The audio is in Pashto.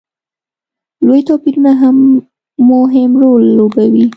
لوی توپیرونه هم مهم رول لوبوي.